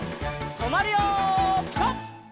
とまるよピタ！